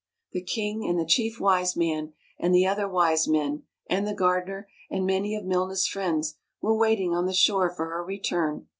The king, and the Chief Wise Man, and the other wise men, and the gardener, and many of Milna's friends were waiting on the shore for her return.